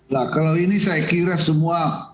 nah kalau ini saya kira semua